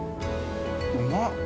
うまっ！